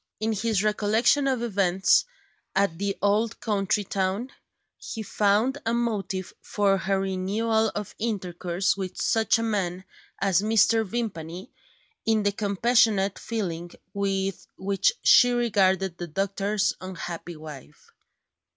In his recollection of events at the old country town, he found a motive for her renewal of intercourse with such a man as Mr. Vimpany, in the compassionate feeling with which she regarded the doctor's unhappy wife.